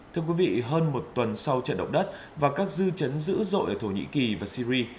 thưa quý vị hơn một tuần sau trận động đất và các dư chấn dữ dội ở thổ nhĩ kỳ và syri